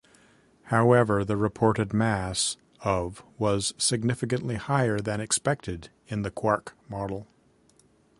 However, the reported mass of was significantly higher than expected in the quark model.